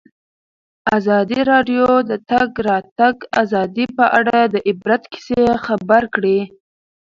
ازادي راډیو د د تګ راتګ ازادي په اړه د عبرت کیسې خبر کړي.